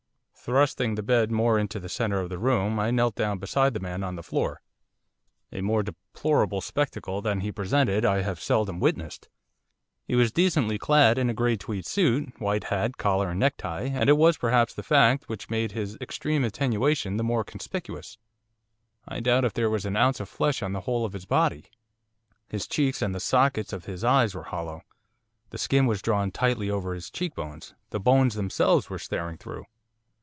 Thrusting the bed more into the centre of the room I knelt down beside the man on the floor. A more deplorable spectacle than he presented I have seldom witnessed. He was decently clad in a grey tweed suit, white hat, collar and necktie, and it was perhaps that fact which made his extreme attenuation the more conspicuous. I doubt if there was an ounce of flesh on the whole of his body. His cheeks and the sockets of his eyes were hollow. The skin was drawn tightly over his cheek bones, the bones themselves were staring through.